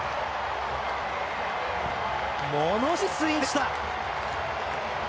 ものすごいスイングでした。